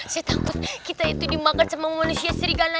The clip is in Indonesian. saya takut kita itu dimakan sama manusia sirigala